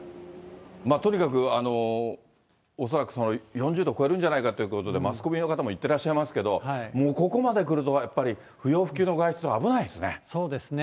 とにかく恐らくその、４０度超えるんじゃないかってことで、マスコミの方も言ってらっしゃいますけれども、もうここまでくるとやっぱり、不要不急の外出は危ないですね。